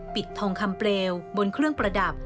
ทองคำเปลวบนเครื่องประดับ